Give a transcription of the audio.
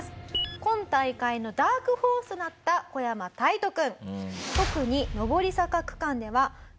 今大会のダークホースとなった小山大登君。